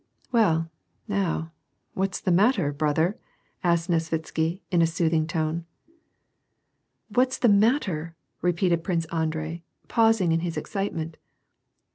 " Well, now, what's the matter, brother, ?" asked Nesvit sky, in a soothing tone. " What's the matter ?" repeated Prince Andrei, pausing in his excitement.